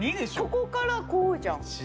ここからこうじゃん